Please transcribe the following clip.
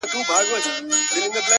o پاس پر پالنگه اكثر؛